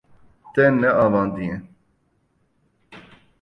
Te neavandiye.